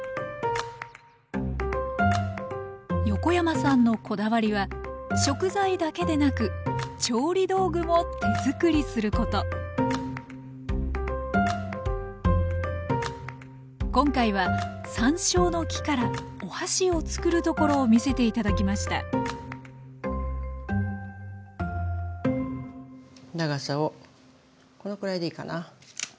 横山さんのこだわりは食材だけでなく調理道具も手作りすること今回は山椒の木からお箸を作るところを見せて頂きました長さをこのくらいでいいかな。